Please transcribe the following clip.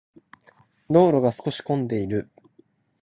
道路が少し混んでいる。